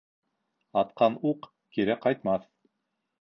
Атҡан уҡ кире ҡайтмаҫ.